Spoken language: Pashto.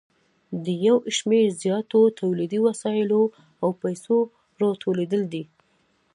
د یو شمېر زیاتو تولیدي وسایلو او پیسو راټولېدل دي